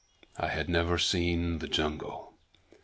I had never seen the jungle.